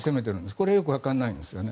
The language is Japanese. これよくわからないんですよね。